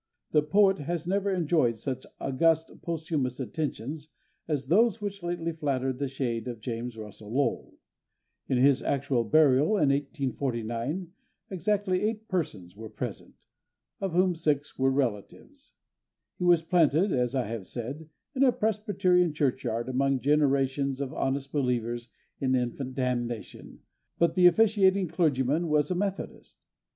The poet has never enjoyed such august posthumous attentions as those which lately flattered the shade of James Russell Lowell. At his actual burial, in 1849, exactly eight persons were present, of whom six were relatives. He was planted, as I have said, in a Presbyterian churchyard, among generations of honest believers in infant damnation, but the officiating clergyman was a Methodist.